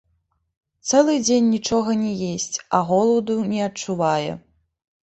Цэлы дзень нічога не есць, а голаду не адчувае.